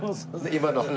今の話。